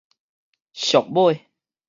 俗買